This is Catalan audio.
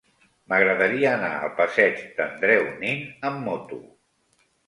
M'agradaria anar al passeig d'Andreu Nin amb moto.